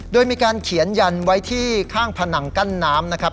โดยมีการเขียนยันไว้ที่ข้างผนังกั้นน้ำนะครับ